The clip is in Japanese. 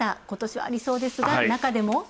今年はありそうですが、なかでも。